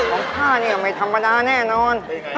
ของฉันก็ไม่ธรรมดาแน่นอน